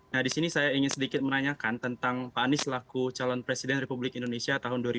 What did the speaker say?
nah di sini saya ingin sedikit menanyakan tentang pak anies laku calon presiden republik indonesia tahun dua ribu dua puluh